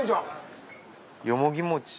よもぎ餅？